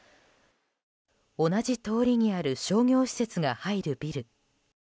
同じ通りにある商業施設が入るビル。